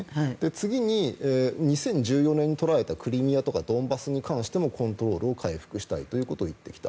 次に２０１４年に取られたクリミアとかドンバスに関してもコントロールを回復したいということを言ってきた。